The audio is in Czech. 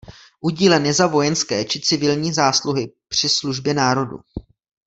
Udílen je za vojenské či civilní zásluhy při službě národu.